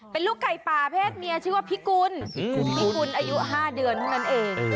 เป็นลูกไก่ป่าเพศเมียชื่อว่าพิกุลพิกุลอายุ๕เดือนเท่านั้นเอง